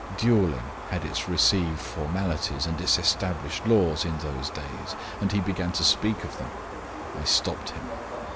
Dueling had its received formalities and its established laws in those days; and he began to speak of them. I stopped him.